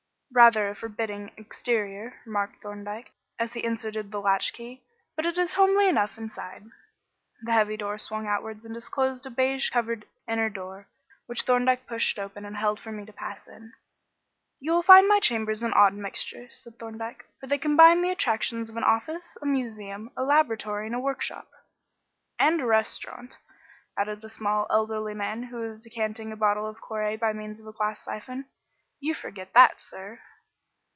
"Rather a forbidding exterior," remarked Thorndyke, as he inserted the latchkey, "but it is homely enough inside." The heavy door swung outwards and disclosed a baize covered inner door, which Thorndyke pushed open and held for me to pass in. "You will find my chambers an odd mixture," said Thorndyke, "for they combine the attractions of an office, a museum, a laboratory and a workshop." "And a restaurant," added a small, elderly man, who was decanting a bottle of claret by means of a glass syphon: "you forgot that, sir."